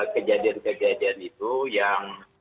kejadian kejadian itu yang